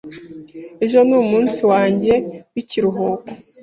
Ejo ni umunsi wanjye w'ikiruhuko.